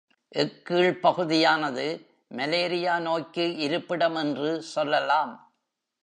இக்கீழ்ப் பகுதியானது மலேரியா நோய்க்கு இருப்பிடம் என்று சொல்லலாம்.